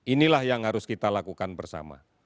inilah yang harus kita lakukan bersama